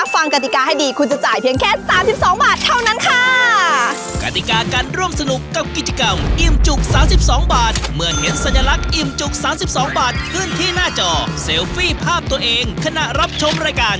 กติกาให้ดีคุณจะจ่ายเพียงแค่๓๒บาทเท่านั้นค่ะ